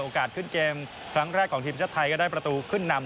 ขึ้นเกมครั้งแรกของทีมชาติไทยก็ได้ประตูขึ้นนำ